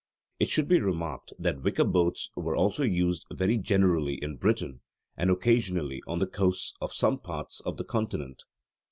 It should be remarked that wicker boats were also used very generally in Britain, and occasionally on the coasts of some parts of the Continent.